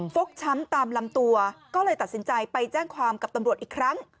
กช้ำตามลำตัวก็เลยตัดสินใจไปแจ้งความกับตำรวจอีกครั้ง